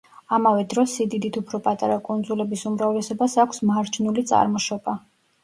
ამავე დროს სიდიდით უფრო პატარა კუნძულების უმრავლესობას აქვს მარჯნული წარმოშობა.